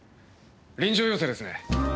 臨場要請ですね？